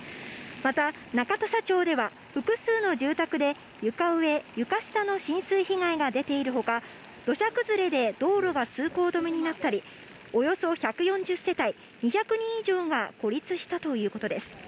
また中土佐町では、複数の住宅で床上、床下の浸水被害が出ているほか、土砂崩れで道路が通行止めになったり、およそ１４０世帯２００人以上が孤立したということです。